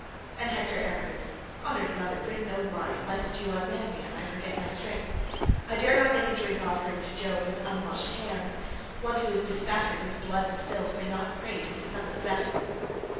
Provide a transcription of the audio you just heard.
And Hector answered, "Honoured mother, bring no wine, lest you unman me and I forget my strength. I dare not make a drink offering to Jove with unwashed hands; one who is bespattered with blood and filth may not pray to the son of Saturn.